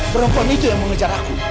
perempuan itu yang mengejar aku